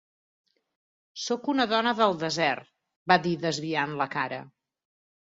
"Soc una dona del desert" va dir desviant la cara.